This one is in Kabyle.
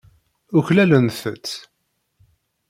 Uklalent-tt.